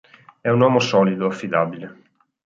È un uomo solido, affidabile.